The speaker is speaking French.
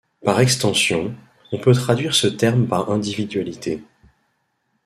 Par extension, on peut traduire ce terme par individualité.